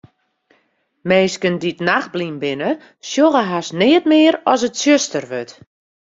Minsken dy't nachtblyn binne, sjogge hast neat mear as it tsjuster wurdt.